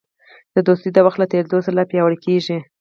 دوستي د وخت له تېرېدو سره لا پیاوړې کېږي.